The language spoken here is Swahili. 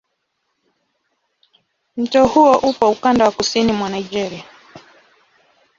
Mto huo upo ukanda wa kusini mwa Nigeria.